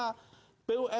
bumn ini dalam keadaan